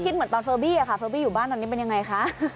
เหมือนตอนเฟอร์บี้ค่ะเฟอร์บี้อยู่บ้านตอนนี้เป็นยังไงคะ